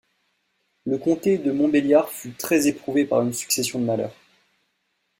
Le comté de Montbéliard fut très éprouvé par une succession de malheurs.